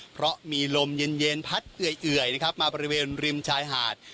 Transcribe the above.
เพราะมีลมเย็นพัดเอื่อยนะครับมาบริเวณริมชายหาด